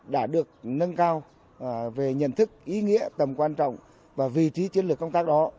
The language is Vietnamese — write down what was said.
đã được nâng cao về nhận thức ý nghĩa tầm quan trọng và vị trí chiến lược công tác đó